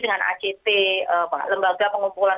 dengan act lembaga pengumpulan